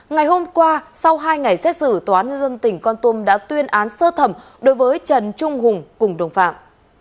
ngày hôm qua sau hai ngày xét xử tòa án nhân dân tỉnh con tum đã tuyên án sơ thẩm đối với trần trung hùng cùng đồng phạm